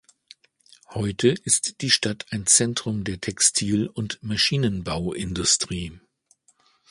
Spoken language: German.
Heute ist die Stadt ein Zentrum der Textil- und Maschinenbauindustrie.